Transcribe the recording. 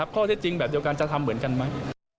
ข้อเท็จจริงแบบเดียวกันจะทำเหมือนกันไหม